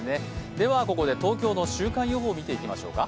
では、ここで東京の週間予報を見ていきましょうか。